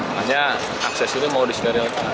hanya akses ini mau diserial